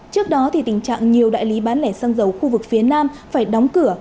trước đó tình trạng nhiều đại lý bán lẻ xăng dầu khu vực phía nam phải đóng cửa